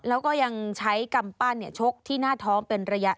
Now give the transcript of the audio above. เขาก็ยังใช้กรรมปั้นโชคที่หน้าท้องเป็นระยะ